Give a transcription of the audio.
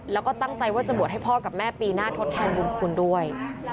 แล้วก็ตั้งใจว่าจะบวชให้พ่อกับแม่ปีหน้าทดแทนบุญคุณด้วย